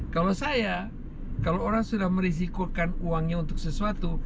kalau saya kalau orang sudah merisikokan uangnya untuk sesuatu